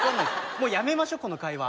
もうやめましょこの会話。